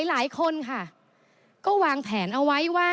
หลายคนค่ะก็วางแผนเอาไว้ว่า